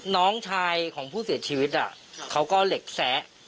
น้องชายของผู้เสียชีวิตเขาก็เหล็กแซะ